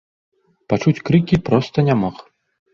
Пачуць крыкі проста не мог.